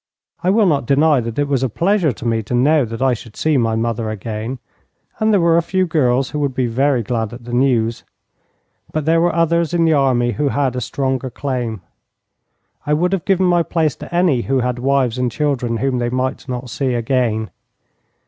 I will not deny that it was a pleasure to me to know that I should see my mother again, and there were a few girls who would be very glad at the news; but there were others in the army who had a stronger claim. I would have given my place to any who had wives and children whom they might not see again.